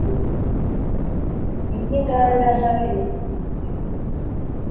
iby inganda n abenegihugu b ibihugu